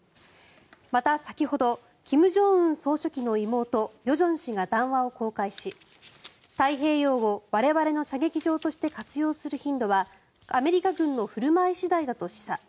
また、先ほど金正恩総書記の妹、与正氏が談話を公開し太平洋を我々の射撃場として活用する頻度はアメリカ軍の振る舞い次第だと示唆。